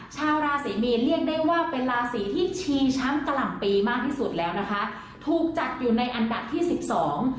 ชาวราศรีมีนเรียกได้ว่าเป็นราศีที่ชีช้ำกะหล่ำปีมากที่สุดแล้วนะคะถูกจัดอยู่ในอันดับที่สิบสอง